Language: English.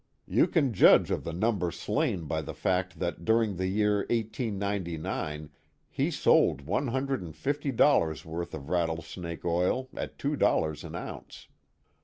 You can judge of the number slain by the fact that during the year 1899 he sold one hundred and fifty dollars* worth of rattlesnake oil at two dollars an ounce.